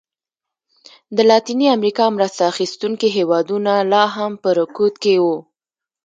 د لاتینې امریکا مرسته اخیستونکي هېوادونه لا هم په رکود کې وو.